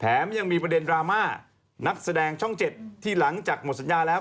ยังมีประเด็นดราม่านักแสดงช่อง๗ที่หลังจากหมดสัญญาแล้ว